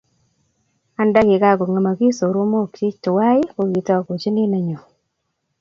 Anda kikakong'emogis soromookchi tuwai, ko kitokochini nenyu.